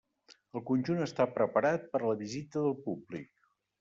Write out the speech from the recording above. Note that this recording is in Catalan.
El conjunt està preparat per a la visita del públic.